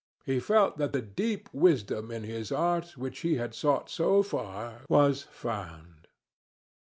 He felt that the deep wisdom in his art which he had sought so far was found.